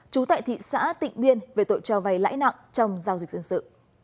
trú tại thị xã tịnh biên về tội cho vay lãi nặng trong giao dịch dân sự